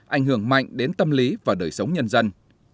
ảnh hưởng mạnh đến tâm lý và đời sống nhân dân